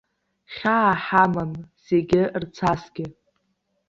Хьаа ҳамам зегьы рцасгьы.